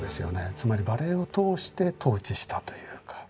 つまりバレエを通して統治したというか。